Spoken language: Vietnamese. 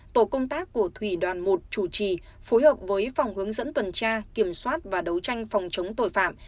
tổ công tác của thủy đoàn một chủ trì phối hợp với phòng hướng dẫn tuần tra kiểm soát và đấu tranh phòng chống tội phạm